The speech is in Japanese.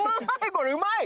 これうまい！